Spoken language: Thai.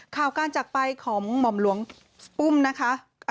ข่าวการจักรไปของหม่อมหลวงปุ้มนะคะ